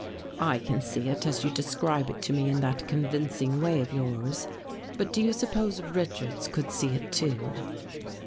" I can see it, as you describe it to me in that convincing way of yours. But do you suppose Richards could see it, too?"